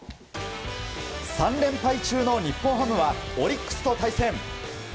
３連敗中の日本ハムはオリックスと対戦。